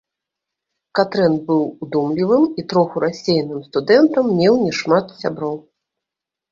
Катрэн быў удумлівым і троху рассеяным студэнтам, меў не шмат сяброў.